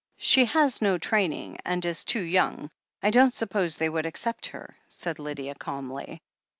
"She has no training, and is too young. I don't suppose they would accept her," said Lydia calmly.